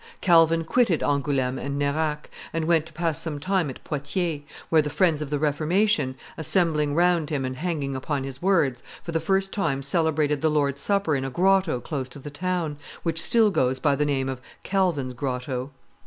Calvin quitted Angouleme and Nerac, and went to pass some time at Poitiers, where the friends of the Reformation, assembling round him and hanging upon his words, for the first time celebrated the Lord's Supper in a grotto close to the town, which still goes by the name of Calvin's Grotto.